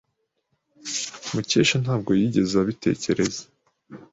Mukesha ntabwo yigeze abitekereza.